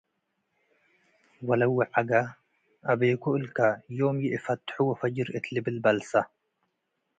ወለዉዐገ፤ “አቤኮ እልከ፡ ዮም ይእፈት'ሖ ወፈጅር።” እት ልብል በልሰ።